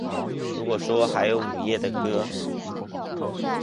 如果说还有午夜的歌